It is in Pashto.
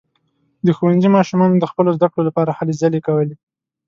د ښوونځي ماشومانو د خپلو زده کړو لپاره هلې ځلې کولې.